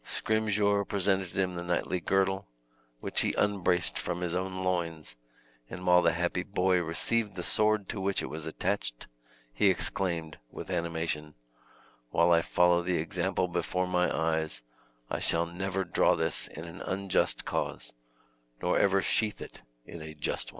Scrymgeour presented him the knightly girdle, which he unbraced from his own loins, and while the happy boy received the sword to which it was attached, he exclaimed, with animation, "While I follow the example before my eyes, I shall never draw this in an unjust cause, nor ever sheath it in a just one."